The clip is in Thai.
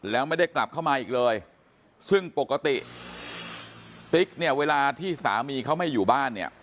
แล้วไม่ได้กลับเข้ามาอีกเลยซึ่งปกติติ๊กเนี่ยเวลาที่สามีเขาไม่อยู่บ้านเนี่ย